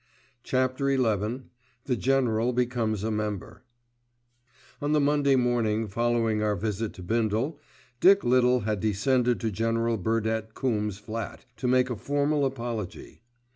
*CHAPTER XI* *THE GENERAL BECOMES A MEMBER* On the Monday morning following our visit to Bindle, Dick Little had descended to General Burdett Coombe's flat to make a formal apology.